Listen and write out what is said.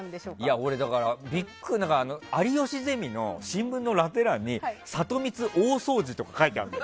俺、だから「有吉ゼミ」の新聞のラテ欄にサトミツ大掃除とか書いてあるの。